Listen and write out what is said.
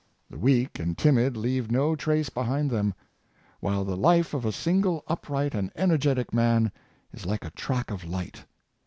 The weak and timid leave no trace behind them; while the life of a single upright and energetic man is like a track of light.